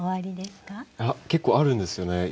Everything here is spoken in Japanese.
いや結構あるんですよね。